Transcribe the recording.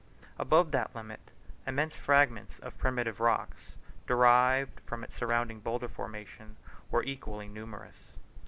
Above that limit immense fragments of primitive rocks, derived from its surrounding boulder formation, were equally numerous.